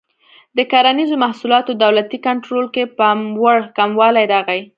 د کرنیزو محصولاتو دولتي کنټرول کې پاموړ کموالی راغی.